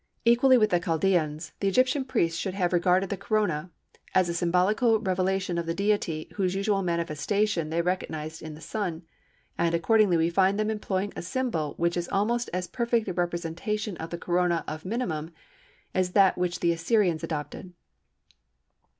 Equally with the Chaldeans the Egyptian priests should have regarded the Corona as a symbolical revelation of the Deity whose usual manifestation they recognised in the Sun, and accordingly we find them employing a symbol which is almost as perfect a representation of the Corona of minimum as that which the Assyrians adopted."